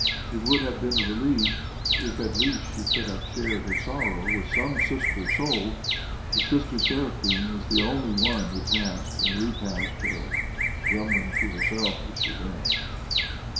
It would have been a relief if at least she could have shared her sorrow with some sister soul, but Sister Seraphine was the only one who passed and re passed her, grumbling to herself as she went.